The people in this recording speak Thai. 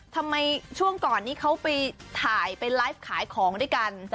ทำไมช่วงก่อนนี้เขาไปถ่ายไปไลฟ์ขายของด้วยกัน